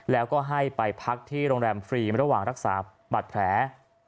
แล้วก็ให้ไปพักที่โรงแรมฟรีระหว่างรักษาบัตรแผล